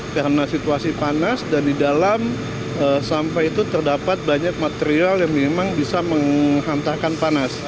karena situasi panas dan di dalam sampah itu terdapat banyak material yang memang bisa menghantarkan panas